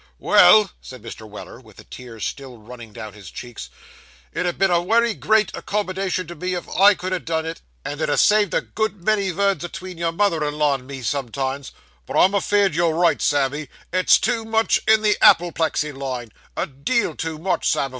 'Well,' said Mr. Weller, with the tears still running down his cheeks, 'it 'ud ha' been a wery great accommodation to me if I could ha' done it, and 'ud ha' saved a good many vords atween your mother in law and me, sometimes; but I'm afeerd you're right, Sammy, it's too much in the appleplexy line a deal too much, Samivel.